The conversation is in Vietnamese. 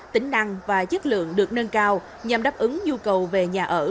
tính năng và chất lượng được nâng cao nhằm đáp ứng nhu cầu về nhà ở